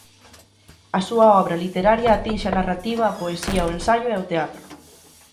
A súa obra literaria atinxe a narrativa, a poesía, o ensaio e o teatro.